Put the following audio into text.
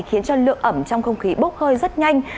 khiến cho lượng ẩm trong không khí bốc hơi rất nhanh